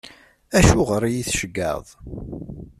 Acuɣer i yi-tceggɛeḍ?